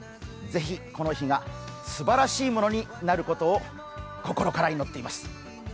ぜひ、この日がすばらしいものになることを心から祈っています。